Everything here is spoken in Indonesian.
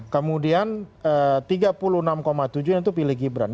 kemudian tiga puluh enam tujuh itu pilih gibran